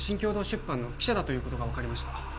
出版の記者だということが分かりました